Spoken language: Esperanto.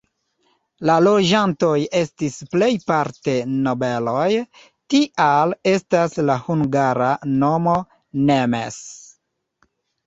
La loĝantoj estis plejparte nobeloj, tial estas la hungara nomo "nemes".